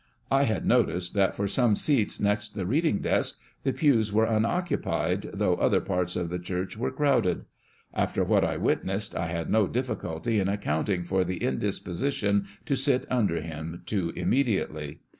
I had noticed that for some seats next the reading desk, the pews were unoccu pied, though other parts of the church were crowded. After what I witnessed, I had no difficulty in accounting for the indisposition to sit under him ,.too immediately.